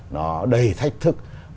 nó đầy thách thức